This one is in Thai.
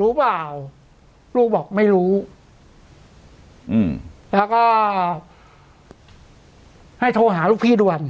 รู้เปล่าลูกบอกไม่รู้แล้วก็ให้โทรหาลูกพี่ด่วน